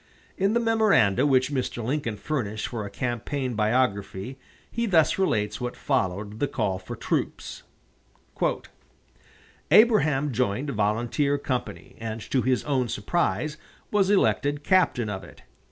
In the memoranda which Mr. Lincoln furnished for a campaign biography, he thus relates what followed the call for troops: "Abraham joined a volunteer company, and, to his own surprise, was elected captain of it.